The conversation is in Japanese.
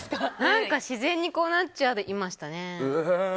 何か自然にこうなっちゃいましたね。